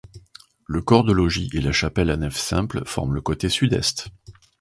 Le corps de logis et la chapelle à nef simple forment le côté sud-est.